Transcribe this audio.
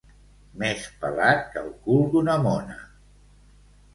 Més pelat que el cul d'una mona.